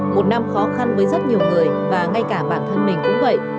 một năm khó khăn với rất nhiều người và ngay cả bản thân mình cũng vậy